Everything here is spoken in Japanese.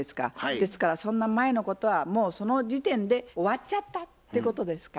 ですからそんな前のことはもうその時点で終わっちゃったってことですか。